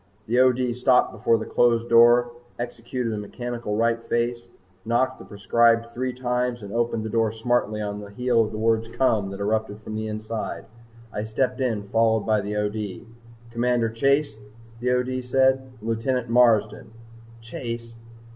The O.D. stopped before the closed door, executed a mechanical right face, knocked the prescribed three times and opened the door smartly on the heels of the word "Come" that erupted from the inside. I stepped in followed by the O.D. "Commander Chase," the O.D. said. "Lieutenant Marsden." Chase!